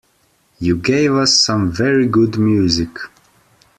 You gave us some very good music.